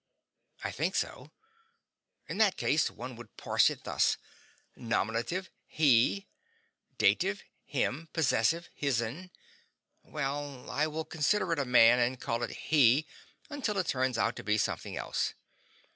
I think so. In that case one would parse it thus: nominative, HE; dative, HIM; possessive, HIS'N. Well, I will consider it a man and call it he until it turns out to be something else.